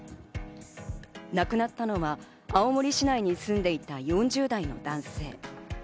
亡くなったのは青森市内に住んでいた４０代の男性。